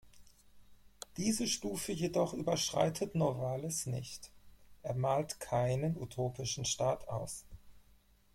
Diese Stufe jedoch überschreitet Novalis nicht; er malt keinen utopischen Staat aus.